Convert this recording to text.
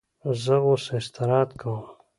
زه اوس استراحت کوم.